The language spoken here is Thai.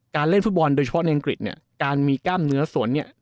เล่นฟุตบอลโดยเฉพาะในอังกฤษเนี่ยการมีกล้ามเนื้อสวนเนี่ย